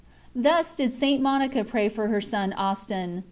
Thus did St. Monica pray for her son Austin.